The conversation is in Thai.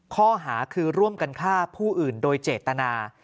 ข้อหาคือร่วมกันฆ่าผู้อื่นโดยเจตนา